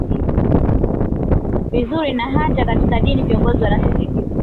vizuri na hata katika dini viongozi wanasisitiza